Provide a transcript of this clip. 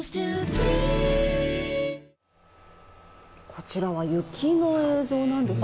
こちらは雪の映像なんですね。